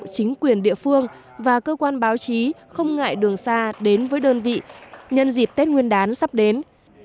chính quyền địa phương và cơ quan báo chí không ngại đường xa đến với đơn vị nhân dịp tết nguyên đán sắp đến